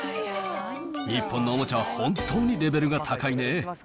日本のおもちゃは本当にレベルが高いね。